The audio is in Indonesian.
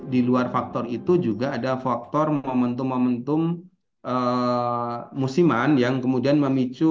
di luar faktor itu juga ada faktor momentum momentum musiman yang kemudian memicu